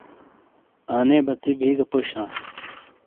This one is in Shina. آنے بَژی بی گہ پوش ہاں۔